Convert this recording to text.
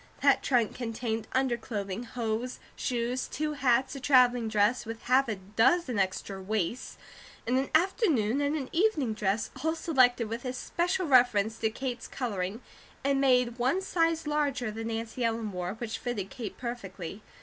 That trunk contained underclothing, hose, shoes, two hats, a travelling dress with half a dozen extra waists, and an afternoon and an evening dress, all selected with especial reference to Kate's colouring, and made one size larger than Nancy Ellen wore, which fitted Kate perfectly.